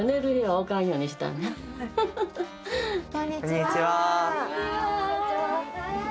こんにちは。